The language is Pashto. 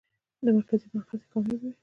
د مرکزي بانک هڅې کامیابه وې؟